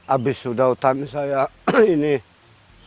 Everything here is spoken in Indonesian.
abis sudah hutan sayang